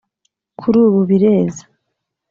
’’ Kuri ubu bireze